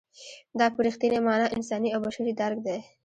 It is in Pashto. دا په رښتینې مانا انساني او بشري درک دی.